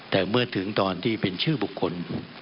แต่เมื่อถึงตอนที่เป็นชื่อบุคคล